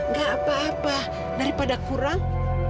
gak apa apa daripada kurang